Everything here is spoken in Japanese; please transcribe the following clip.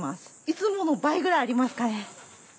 いつもの倍ぐらいありますかね。